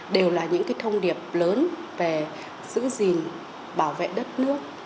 đều là những thông điệp lớn về giữ gìn bảo vệ đất nước